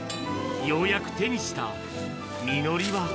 ようやく手にした実りは。